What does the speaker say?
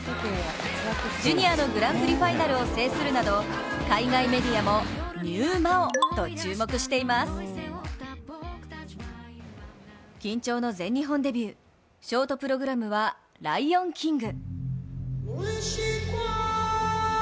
ジュニアのグランプリファイナルを制するなど海外メディアもショートプログラムは「ライオン・キング」。